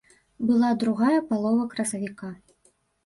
Была другая палова красавіка.